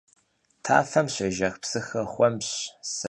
Tafem şêjjex psıxer xuemş, sabırş.